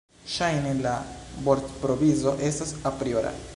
Ŝajne la vortprovizo estas apriora.